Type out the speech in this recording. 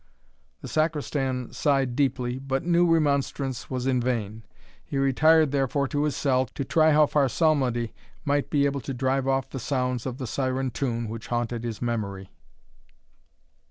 The Sacristan sighed deeply, but knew remonstrance was vain. He retired therefore to his cell, to try how far psalmody might be able to drive off the sounds of the syren tune which haunted his memory.